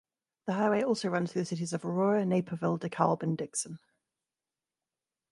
The highway also runs through the cities of Aurora, Naperville, DeKalb, and Dixon.